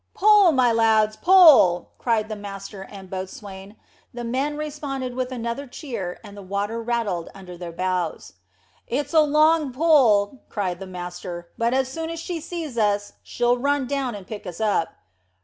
"Pull, my lads, pull!" cried master and boatswain. The men responded with another cheer, and the water rattled under their bows. "It's a long pull," cried the master; "but as soon as she sees us, she'll run down and pick us up."